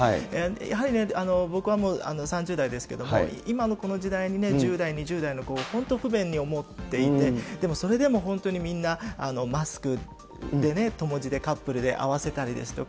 やはり僕はもう３０代ですけれども、今のこの時代にね、１０代、２０代の子、本当、不便に思っていて、でもそれでも本当にみんな、マスクでね、友達で、カップルで合わせたりですとか。